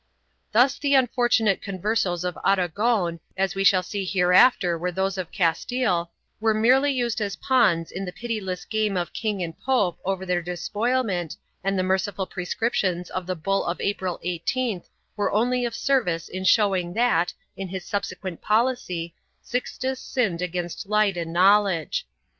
2 Thus the unfortunate Converses of Aragon, as we shall see 'hereafter were those of Castile, were merely used as pawns in the pitiless game of king and pope over their despoilment and the merciful prescriptions of the bull of April 18th were only of service in showing that, in his subsequent policy, Sixtus sinned against light and knowledge.